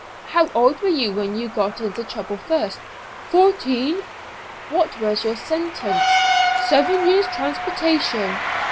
"How old were you when you got into trouble first?" "Fourteen." "What was your first sentence?" "Seven years' transportation."